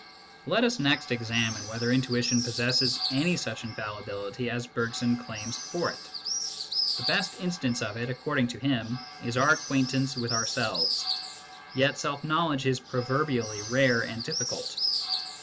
Let us next examine whether intuition possesses any such infallibility as Bergson claims for it. The best instance of it, according to him, is our acquaintance with ourselves ; yet self knowledge is proverbially rare and difficult.